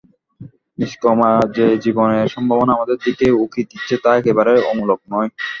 নিষ্কর্মা যে জীবনের সম্ভাবনা আমাদের দিকে উকি দিচ্ছে তা একেবারে অমূলক নয়।